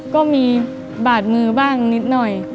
ก็มีบาดมือบ้างนิดหน่อย